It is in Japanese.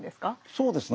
そうですね